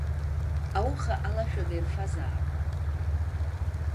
Ауха алашәага ирфазаап.